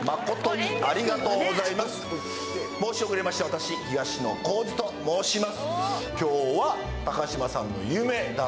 申し遅れました私東野幸治と申します。